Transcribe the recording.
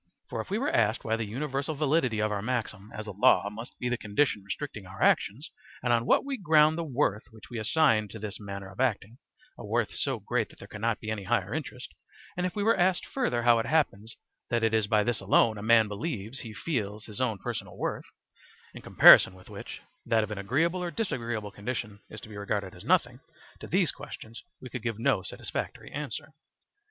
For if we were asked why the universal validity of our maxim as a law must be the condition restricting our actions, and on what we ground the worth which we assign to this manner of acting a worth so great that there cannot be any higher interest; and if we were asked further how it happens that it is by this alone a man believes he feels his own personal worth, in comparison with which that of an agreeable or disagreeable condition is to be regarded as nothing, to these questions we could give no satisfactory answer.